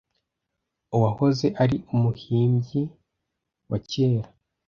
Uwahoze ari umuhimbyi wa kera